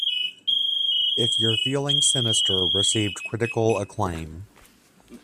"If You're Feeling Sinister" received critical acclaim.